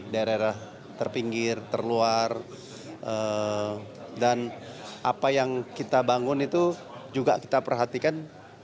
daerah daerah terpinggir terluar dan apa yang kita bangun itu juga kita perhatikan